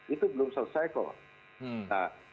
itu belum selesai kok